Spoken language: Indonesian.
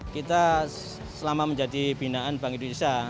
kita selama menjadi binaan bank indonesia